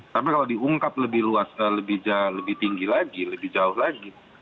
tapi kalau diungkap lebih luas lebih tinggi lagi lebih jauh lagi